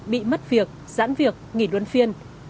bị mất việc giãn việc nghỉ luân phiên